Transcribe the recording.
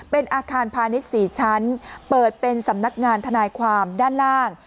เป็นอาคารพาณิชย์๔ชั้นเปิดเป็นสำนักงานทนายความด้านล่าง